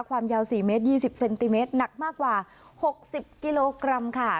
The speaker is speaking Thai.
ความยาว๔เมตร๒๐เซนติเมตรหนักมากกว่า๖๐กิโลกรัมค่ะ